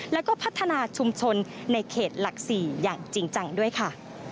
แล้วก็พัฒนาชุมชนในเขตหลัก๔อย่างจริงจังด้วยค่ะ